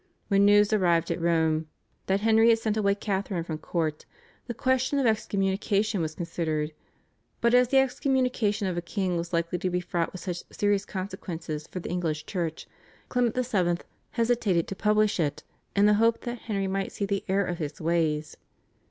When news arrived at Rome that Henry had sent away Catharine from court, the question of excommunication was considered, but as the excommunication of a king was likely to be fraught with such serious consequences for the English Church, Clement VII. hesitated to publish it in the hope that Henry might see the error of his ways.